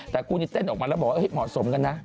แต่คู่นี้เต้นออกมาแล้วบอกว่าเหมาะสมกันนะ